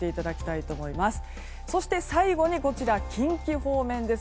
そして、最後に近畿方面です。